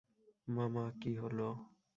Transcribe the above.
মামা, কী হলো?